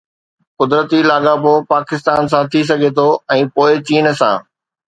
قدرتي لاڳاپو پاڪستان سان ٿي سگهي ٿو ۽ پوءِ چين سان.